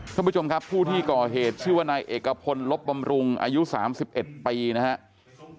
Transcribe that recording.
ท่านผู้ชมครับผู้ที่ก่อเหตุชื่อว่านายเอกพลลบบำรุงอายุ๓๑ปีนะครับ